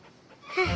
うん。